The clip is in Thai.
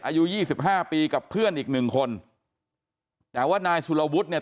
อายุยี่สิบห้าปีกับเพื่อนอีกหนึ่งคนแต่ว่านายสุรวุฒิเนี่ย